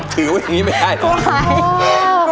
ถือว่าอย่างนี้ไม่ได้หรอก